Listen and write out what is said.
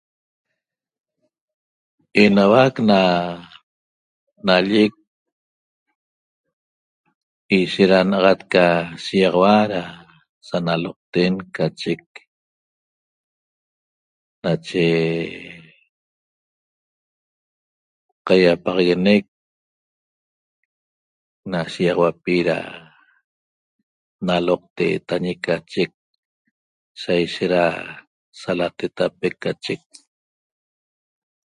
Enahuaq na nalleq ishet da naxat ca shexaua da sanaloqten cachec nache caiapaxagueneq na shiaxauapi da naloqteta ñi cachec saishet da salatetapeq cachec